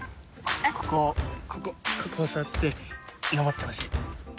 ここここを触って上ってほしい。